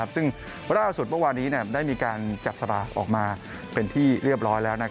ซึ่งประวัติราสุดวันวานนี้ได้มีการจัดสรากออกมาเป็นที่เรียบร้อยแล้ว